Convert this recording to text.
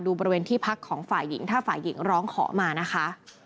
บริเวณที่พักของฝ่ายหญิงถ้าฝ่ายหญิงร้องขอมานะคะ